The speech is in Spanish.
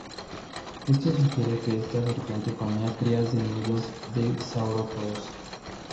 Esto sugiere que esta serpiente comía crías en nidos de saurópodos.